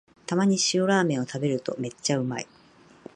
たまに塩ラーメンを食べるとめっちゃうまい